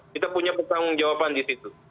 kita punya pertanggung jawaban disitu